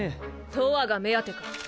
とわが目当てか。